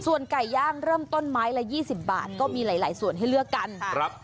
ส่วนไก่ย่างเริ่มต้นไม้ละ๒๐บาทก็มีหลายส่วนให้เลือกกันครับ